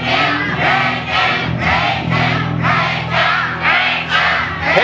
เพลงเก่งของคุณครับ